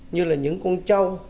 như là những con trâu